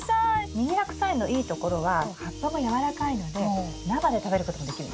ミニハクサイのいいところは葉っぱも軟らかいので生で食べることもできるんです。